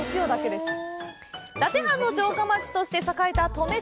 伊達藩の城下町として栄えた登米市。